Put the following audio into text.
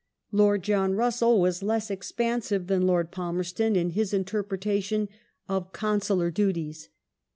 Lord John Russell was less expansive than Lord Palmerston in his interpretation of Con sular duties.